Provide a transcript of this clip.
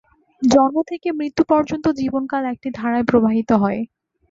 জন্ম থেকে মৃত্যু পর্যন্ত জীবনকাল একটি ধারায় প্রবাহিত হয়।